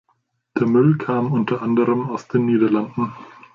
Der Müll kam unter anderem aus den Niederlanden.